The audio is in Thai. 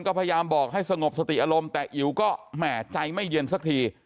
ก็พยายามบอกให้สงบสติอารมณ์แต่อิ๋วก็แหม่ใจไม่เย็นสักที